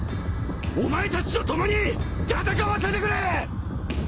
お前たちと共に戦わせてくれ！